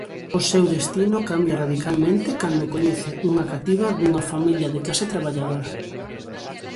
O seu destino cambia radicalmente cando coñece unha cativa dunha familia de clase traballadora.